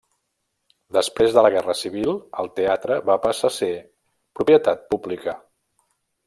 Després de la Guerra Civil, el teatre va passar a ser propietat pública.